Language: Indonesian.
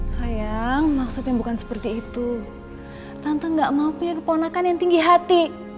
sayang maksudnya bukan seperti itu tantangan gak mau punya keponakan yang tinggi hati